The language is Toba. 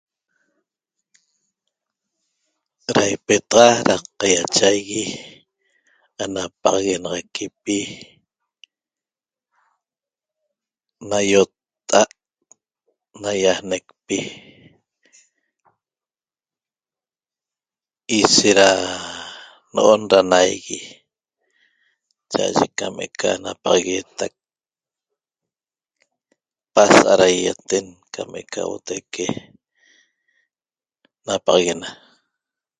Ra ipetaxa ra qaiachaigui ana paxaguenaxaquipi na ýotta'a't naýajnecpi ishet ra no'on ra naigui cha'aye cam eca napaxagueetac pasa'a ra ýaýaten cam eca huotaique napaxaguena